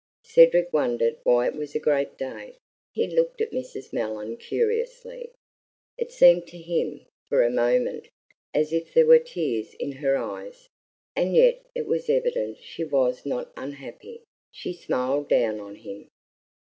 Cedric wondered why it was a great day. He looked at Mrs. Mellon curiously. It seemed to him for a moment as if there were tears in her eyes, and yet it was evident she was not unhappy. She smiled down on him.